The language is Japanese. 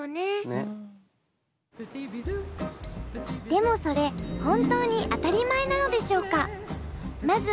でもそれ本当に当たり前なのでしょうか。